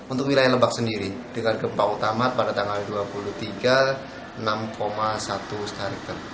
untuk wilayah lebak sendiri dengan gempa utama pada tanggal dua puluh tiga enam satu starter